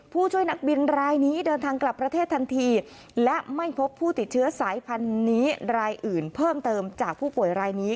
ผู้ช่วยนักบินรายนี้เดินทางกลับประเทศทันทีและไม่พบผู้ติดเชื้อสายพันธุ์นี้รายอื่นเพิ่มเติมจากผู้ป่วยรายนี้